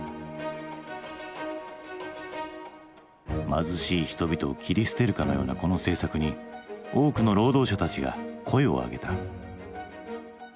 貧しい人々を切り捨てるかのようなこの政策に多くの労働者たちが声をあげた。